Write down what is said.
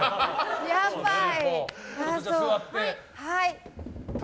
やばい。